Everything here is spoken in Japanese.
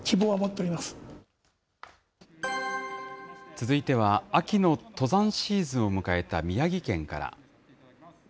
続いては秋の登山シーズンを迎えた宮城県から。